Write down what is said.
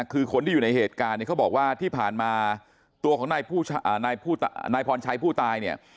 คือคนที่อยู่ในเหตุการณ์เนี่ยเขาบอกว่าที่ผ่านมาตัวของนายพรชัยผู้ตายเนี่ย